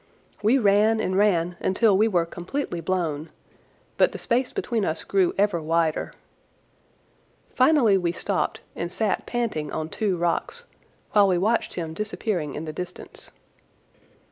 We ran and ran until we were completely blown, but the space between us grew ever wider. Finally we stopped and sat panting on two rocks, while we watched him disappearing in the distance.